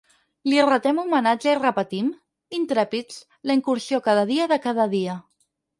Li retem homenatge i repetim, intrèpids, la incursió cada dia de cada dia.